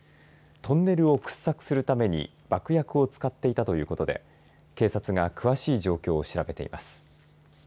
トンネルを掘削するために爆薬を使っていたということで警察が詳しい状況を調べています。